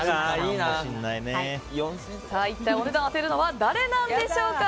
一体お値段を当てるのは誰なんでしょうか。